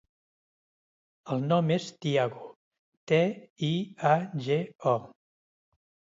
El nom és Tiago: te, i, a, ge, o.